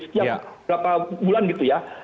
setiap berapa bulan gitu ya